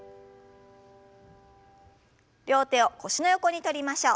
両手を腰の横に取りましょう。